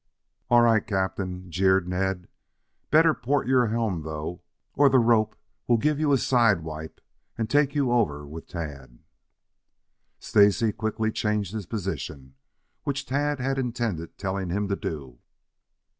"All right, Captain," jeered Ned. "Better port your helm, though, or the rope will give you a side wipe and take you along over with Tad." Stacy quickly changed his position, which Tad had intended telling him to do.